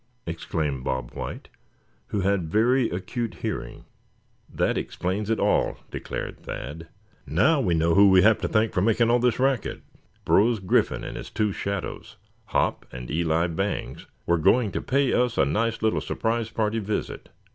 exclaimed Bob White, who had very acute hearing. "That explains it all," declared Thad. "Now we know who we have to thank for making all this racket. Brose Griffin and his two shadows, Hop, and Eli Bangs were going to pay us a nice little surprise party visit.